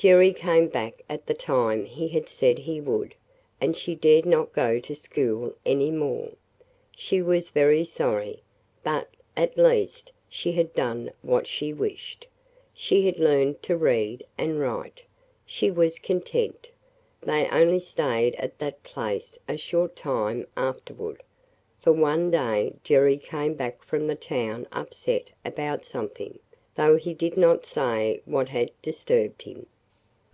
Jerry came back at the time he had said he would and she dared not go to school any more. She was very sorry, but at least she had done what she wished: she had learned to read – and write. She was content. They only stayed at that place a short time afterward, for one day Jerry came back from the town upset about something, though he did not say what had disturbed him.